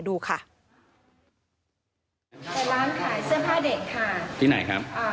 ไม่เกินครึ่งชั่วโมงค่ะก็จะมีผู้ชายเดินร่วมกากเข้ามา